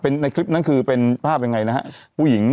ในคลิปนั้นคือเป็นภาพยังไงนะฮะผู้หญิง